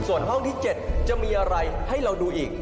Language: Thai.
ส่วนห้องที่๗จะมีอะไรให้เราดูอีก